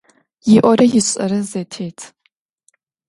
ИIорэ ишIэрэ зэтет.